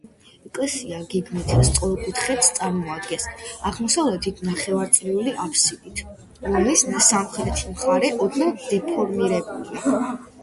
ეკლესია გეგმით სწორკუთხედს წარმოადგენს, აღმოსავლეთით ნახევარწრიული აბსიდით, რომლის სამხრეთი მხარე ოდნავ დეფორმირებულია.